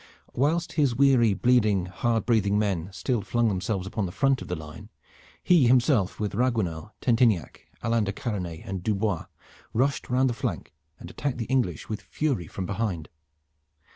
Whilst his weary, bleeding, hard breathing men still flung themselves upon the front of the line, he himself with Raguenel, Tentiniac, Alain de Karanais, and Dubois rushed round the flank and attacked the English with fury from behind.